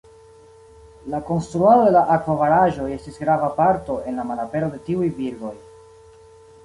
La konstruado de la akvobaraĵoj estis grava parto en la malapero de tiuj birdoj.